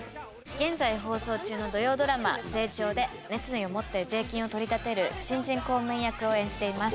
現在放送中の土曜ドラマ『ゼイチョー』で熱意を持って税金を取り立てる新人公務員役を演じています。